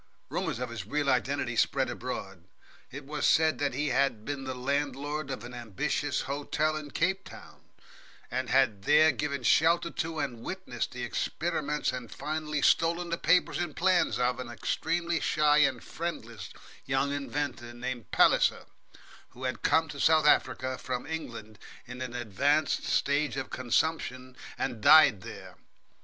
Rumours of his real identity spread abroad. It was said that he had been the landlord of an ambiguous hotel in Cape Town, and had there given shelter to, and witnessed, the experiments and finally stolen the papers and plans of, an extremely shy and friendless young inventor named Palliser, who had come to South Africa from England in an advanced stage of consumption, and died there.